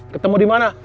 ketemu di mana